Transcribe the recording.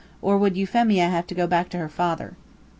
Or would Euphemia have to go back to her father?